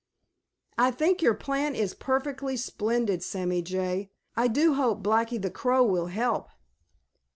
I think your plan is perfectly splendid, Sammy Jay. I do hope Blacky the Crow will help."